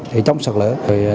để chống sạt lửa